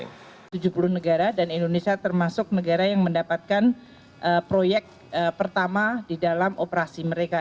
dari tujuh puluh negara dan indonesia termasuk negara yang mendapatkan proyek pertama di dalam operasi mereka